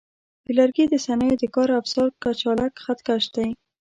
د لرګي د صنایعو د کار افزار کچالک خط کش دی.